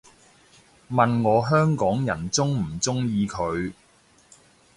問我香港人鍾唔鍾意佢